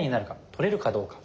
取れるかどうか。